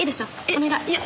お願い。